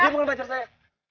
dia bukan pacar saya